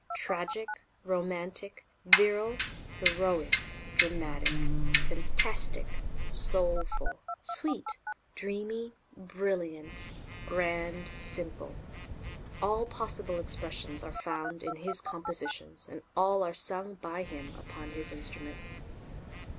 Tragic, romantic, virile, heroic, dramatic, fantastic, soulful, sweet, dreamy, brilliant, grand, simple all possible expressions are found in his compositions and all are sung by him upon his instrument."